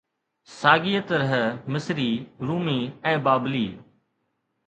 ساڳيءَ طرح مصري، رومي ۽ بابلي